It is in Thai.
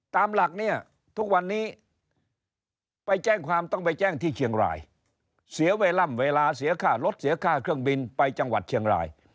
ตามหลักเนี่ยทุกวันนี้ไปแจ้งความต้องไปแจ้งที่เชียงรายเสียเวลาเสียค่ารถเสียค่าเครื่องบินไปจังหวัดเชียงราย